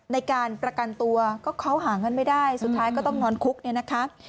ในการประกันตัวก็เขาหาเงินไม่ได้สุดท้ายก็ต้องนอนคุกเนี่ยนะคะ